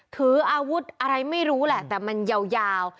ถืออาวุธอะไรไม่รู้แหละแต่มันยาว